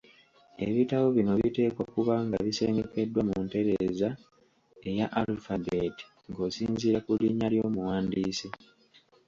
Ebitabo bino biteekwa kuba nga bisengekeddwa mu ntereeza eya alphabet ng’osinziira ku linnya ly’omuwandiisi.